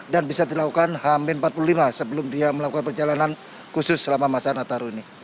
dan bisa dilakukan hamin empat puluh lima sebelum dia melakukan perjalanan khusus selama masa natal ini